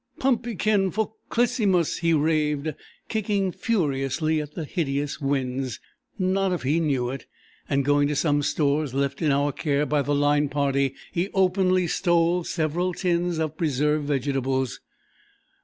"Pumpee kin for Clisymus!" he raved, kicking furiously at the hideous wens. Not if he knew it! and going to some stores left in our care by the Line Party, he openly stole several tins of preserved vegetables.